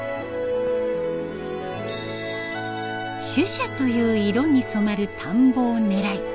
朱砂という色に染まる田んぼを狙い